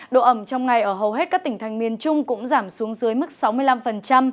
độ ẩm trong ngày ở hầu hết các tỉnh thành miền trung cũng giảm xuống dưới mức sáu mươi năm